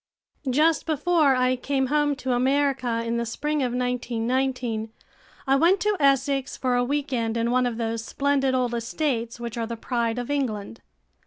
Just before I came home to America in the Spring of 1919, I went to Essex for a week end in one of those splendid old estates which are the pride of England.